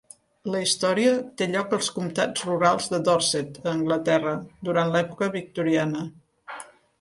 La història té lloc als comtats rurals de Dorset, a Anglaterra, durant l'època victoriana.